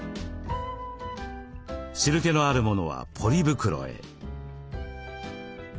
汁けのあるものはポリ袋へ。